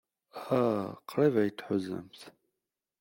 Ah, qrib ay t-tḥuzamt.